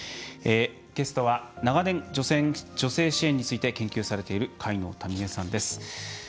ゲストは長年、女性支援について研究されている戒能民江さんです。